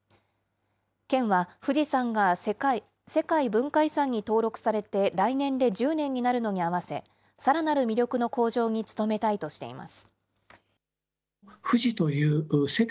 県は富士山が世界文化遺産に登録されて来年で１０年になるのに合わせ、さらなる魅力の向上に努めたいとしています。